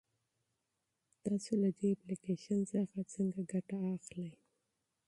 تاسو له دې اپلیکیشن څخه څنګه استفاده کوئ؟